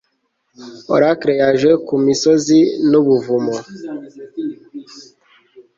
oracle yaje ku misozi nubuvumo